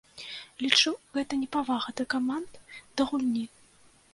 Лічу, гэта непавага да каманд, да гульні.